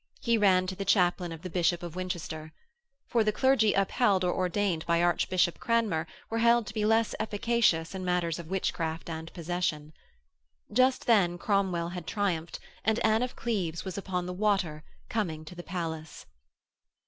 He ran to the chaplain of the Bishop of Winchester. For the clergy upheld or ordained by Archbishop Cranmer were held to be less efficacious in matters of witchcraft and possession. Just then Cromwell had triumphed, and Anne of Cleves was upon the water coming to the palace.